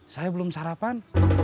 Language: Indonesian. saya belum sarapan